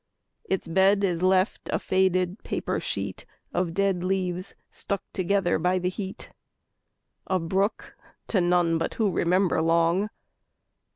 Its bed is left a faded paper sheet Of dead leaves stuck together by the heat A brook to none but who remember long.